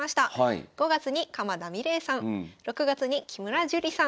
５月に鎌田美礼さん